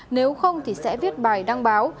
nếu không thì sẽ viết bài đăng báo